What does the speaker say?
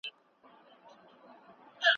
حقایق په خپله ګټه مه څرخوئ.